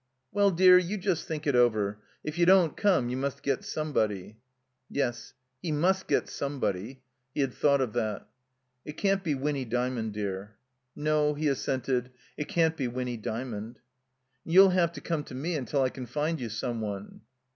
"Well, dear, you just think it over. If you don't come you must get somebody." Yes. He must get somebody. He had thought of that. "It can't be Winny Djrmond, dear." "No," he assented, "It can't be Winny Dy mond." "And you'll have to come to me until I can find you some one."